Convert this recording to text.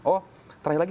oh terakhir lagi